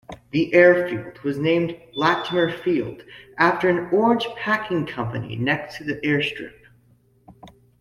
The airfield was named Latimer Field after an orange-packing company next to the airstrip.